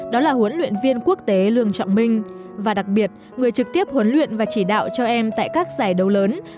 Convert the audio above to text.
đó là huấn luyện viên quốc tế lương trọng minh và đặc biệt người trực tiếp huấn luyện và chỉ đạo cho em tại các giải đấu lớn